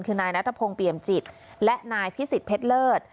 คือนายนัทพงศ์เปี่ยมจิตและนายพิสิทธิเพชรเลิศ